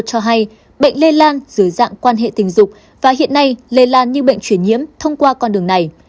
cho hay bệnh lây lan dưới dạng quan hệ tình dục và hiện nay lây lan như bệnh truyền nhiễm thông qua con đường này